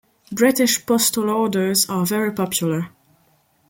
British Postal Orders are very popular.